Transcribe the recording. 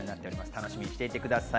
楽しみにしていてください。